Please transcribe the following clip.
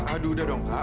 aduh udah dong kak